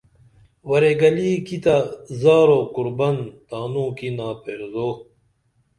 ورے گلی کی تہ زارو قُربن تانوں کی ناپیرزو